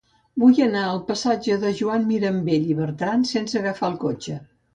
Vull anar al passatge de Joan Mirambell i Bertran sense agafar el cotxe.